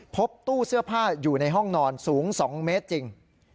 พบตู้เสื้อผ้าอยู่ในห้องนอนสูง๒เมตรจริง